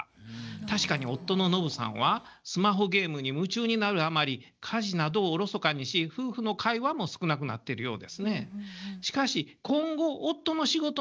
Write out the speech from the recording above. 確かに夫のノブさんはスマホゲームに夢中になるあまり家事などをおろそかにし夫婦の会話も少なくなっているようですね。